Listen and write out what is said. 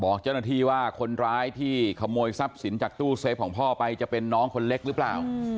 บอกเจ้าหน้าที่ว่าคนร้ายที่ขโมยทรัพย์สินจากตู้เซฟของพ่อไปจะเป็นน้องคนเล็กหรือเปล่า